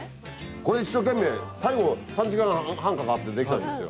これ一生懸命最後３時間半かかってできたんですよ。